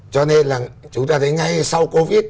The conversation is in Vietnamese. cho nên là chúng ta thấy ngay sau covid